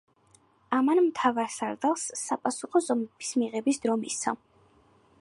ამან მთავარსარდალს საპასუხო ზომების მიღების დრო მისცა.